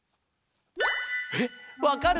えっわかる？